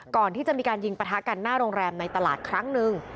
ก่อนที่จะมีการยิงประทะกันหน้าโรงแรมในตลาดครั้งหนึ่ง